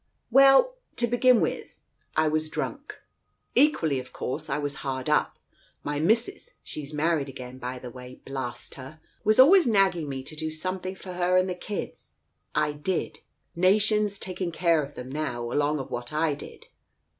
"Well, to begin with, I was drunk. Digitized by Google THE COACH 145 Equally, of course, I was hard up. My missus — she's married again, by the way, blast her !— was always nag ging me to do something for her and the kids. I did. Nation's taking care of them now, along of what I did.